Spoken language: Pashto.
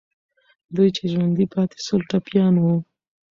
دوی چې ژوندي پاتې سول، ټپیان وو.